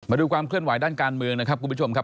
มาดูความเคลื่อนไหวด้านการเมืองนะครับคุณผู้ชมครับ